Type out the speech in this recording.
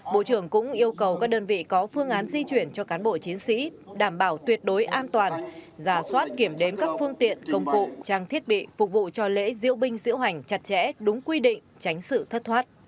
bộ trưởng cũng yêu cầu các đơn vị có phương án di chuyển cho cán bộ chiến sĩ đảm bảo tuyệt đối an toàn giả soát kiểm đếm các phương tiện công cụ trang thiết bị phục vụ cho lễ diễu binh diễu hành chặt chẽ đúng quy định tránh sự thất thoát